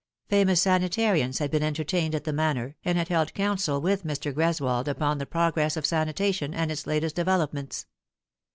Famous sanitarians had been entertained at the Manor, and had held counsel with Mr. Greswold upon the progress of sanitation, and its latest developments.